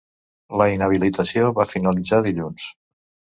La inhabilitació va finalitzar dilluns.